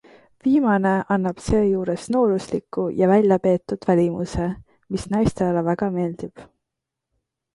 Viimane annab seejuures noorusliku ja väljapeetud välimuse, mis naistele väga meeldib.